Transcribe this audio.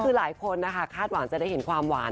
คือหลายคนนะคะคาดหวังจะได้เห็นความหวาน